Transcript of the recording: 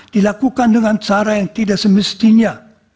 dilakukan dengan cara yang tidak semestinya